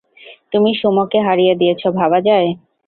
তুমি সুমোকে হারিয়ে দিয়েছো, ভাবা যায়?